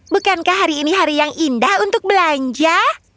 bukankah hari ini hari yang indah untuk belanja